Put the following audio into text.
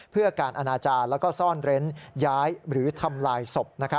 เพื่อการอนาจารย์และซ่อนเร้นย้ายหรือทำลายศพ